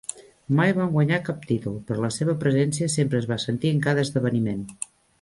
Mai van guanyar cap títol, però la seva presència sempre es va sentir en cada esdeveniment.